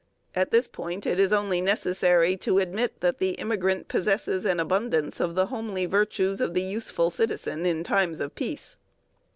At this point it is only necessary to admit that the immigrant possesses an abundance of the homely virtues of the useful citizen in times of peace.